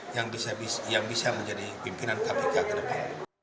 yang bisa menjadi pimpinan kpk ke depan